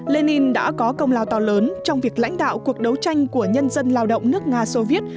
lenin đã có công lao to lớn trong việc lãnh đạo cuộc đấu tranh của nhân dân lao động nước nga soviet